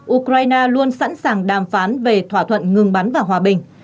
ukraine luôn sẵn sàng đàm phán về thỏa thuận ngừng bắn và hòa bình